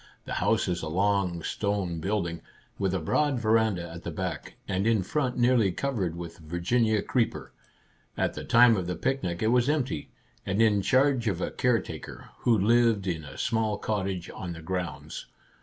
The house is a long, stone build ing, with a broad veranda at the back, and in front nearly covered with Virginia creeper. At the time of the picnic it was empty, and in 28 Our Little Canadian Cousin charge of a caretaker, who lived in a small cottage on the grounds.